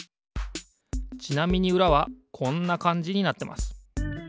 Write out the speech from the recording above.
ちなみにうらはこんなかんじになってます。